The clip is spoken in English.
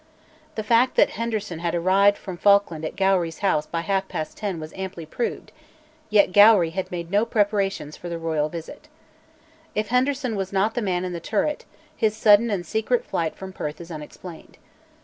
The fact that Henderson had arrived (from Falkland) at Gowrie's house by half past ten was amply proved, yet Gowrie had made no preparations for the royal visit. If Henderson was not the man in the turret, his sudden and secret flight from Perth is unexplained.